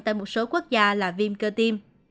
tại một số quốc gia là viêm cơ tiêm